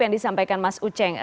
yang disampaikan mas ucheng